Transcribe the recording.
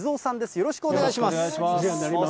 よろしくお願いします。